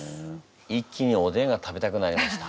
一気におでんが食べたくなりました。